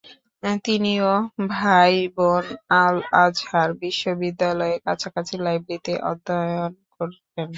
তিনি ও তার ভাইবোন আল-আজহার বিশ্ববিদ্যালয়ের কাছাকাছি লাইব্রেরিতে অধ্যয়ন করেন।